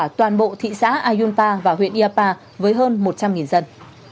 tỉnh gia lai đã đảm bảo toàn bộ thị xã ayunpa và huyện iapa với hơn một trăm linh dân